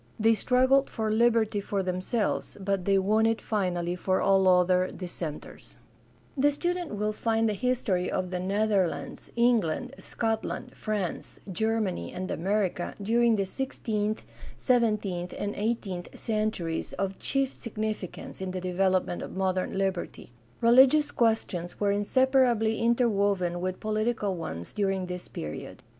They struggled for liberty for themselves, but they won it finally for all other dissenters. 444 GUIDE TO STUDY OF CHRISTIAN RELIGION The student will find the history of the Netherlands, England, Scotland, France, Germany, and America during the sixteenth, seventeenth, and eighteenth centuries of chief significance in the development of modern liberty. Religious questions were inseparably interwoven with political ones during this period.